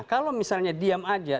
kalau misalnya diam saja